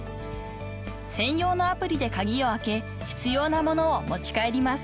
［専用のアプリで鍵を開け必要な物を持ち帰ります］